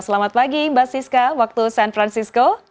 selamat pagi mbak siska waktu san francisco